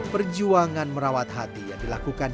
perjuangan merawat hati yang dilakukan